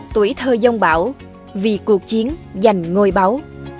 tuổi thơ dông bảo vì cuộc chiến dành ngôi báu